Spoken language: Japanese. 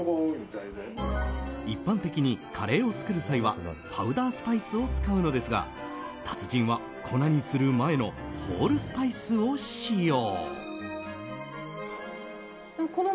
一般的にカレーを作る際はパウダースパイスを使うのですが達人は粉にする前のホールスパイスを使用。